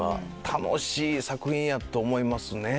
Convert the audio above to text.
楽しい作品やと思いますね。